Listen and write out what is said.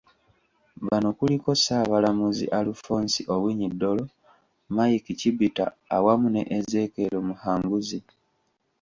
Bano kuliko; Ssaabalamuzi Alfonse Owiny Dollo, Mike Chibita awamu ne Ezekiel Muhanguzi.